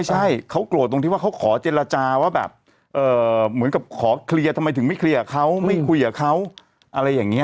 ใช่เขาโกรธตรงที่ว่าเขาขอเจรจาว่าแบบเหมือนกับขอเคลียร์ทำไมถึงไม่เคลียร์เขาไม่คุยกับเขาอะไรอย่างนี้